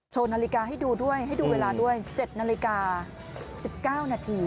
นาฬิกาให้ดูด้วยให้ดูเวลาด้วย๗นาฬิกา๑๙นาที